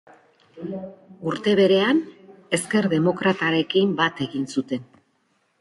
Urte berean, ezker demokratarekin bat egin zuten.